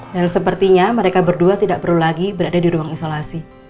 dan sepertinya mereka berdua tidak perlu lagi berada di ruang isolasi